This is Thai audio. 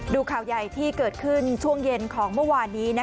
ดูข่าวใหญ่ที่เกิดขึ้นช่วงเย็นของเมื่อวานนี้